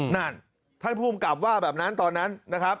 นั่นท่านภูมิกับว่าแบบนั้นตอนนั้นนะครับ